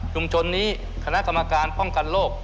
ชนนี้คณะกรรมการป้องกันโรค